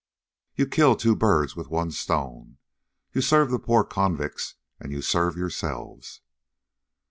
You kill two birds with one stone. You serve the poor convicts, and you serve yourselves."